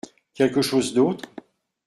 Quelque chose d’autre ?